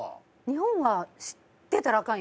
日本は知ってたらアカンやん。